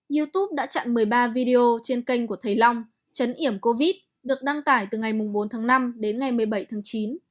youtube đã chặn một mươi ba video trên kênh của thầy long chấn hiểm covid được đăng tải từ ngày bốn tháng năm đến ngày một mươi bảy tháng chín